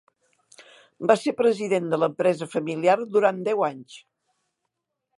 Va ser president de l'empresa familiar durant deu anys.